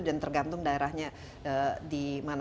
dan tergantung daerahnya di mana